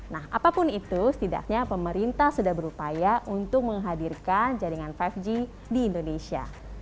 nah apapun itu setidaknya pemerintah sudah berupaya untuk menghadirkan jaringan lima g di indonesia